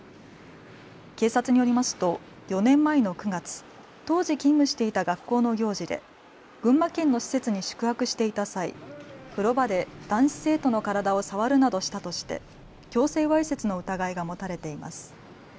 警察によりますと４年前の９月、当時、勤務していた学校の行事で群馬県の施設に宿泊していた際、風呂場で男子生徒の体を触るなどしたとして強制わいせつの疑いが持たれています。